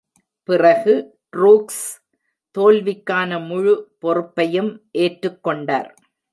பிறகு, ட்ரூக்ஸ் தோல்விக்கான முழு பொறுப்பையும் ஏற்றுக்கொண்டார்.